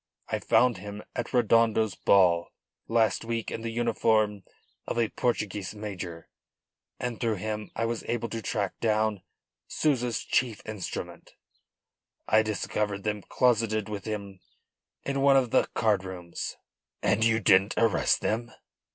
I found him at Redondo's ball last week in the uniform of a Portuguese major, and through him I was able to track down Souza's chief instrument I discovered them closeted with him in one of the card rooms." "And you didn't arrest them?"